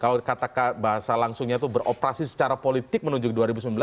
kalau kata bahasa langsungnya itu beroperasi secara politik menuju ke dua ribu sembilan belas